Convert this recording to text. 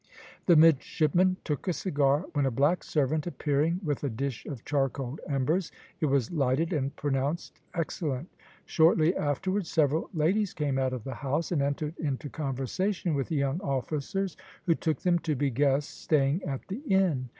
The midshipman took a cigar, when a black servant appearing with a dish of charcoal embers, it was lighted and pronounced excellent. Shortly afterwards several ladies came out of the house and entered into conversation with the young officers, who took them to be guests staying at the inn.